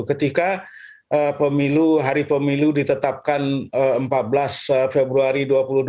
ketika hari pemilu ditetapkan empat belas februari dua ribu dua puluh